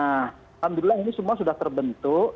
alhamdulillah ini semua sudah terbentuk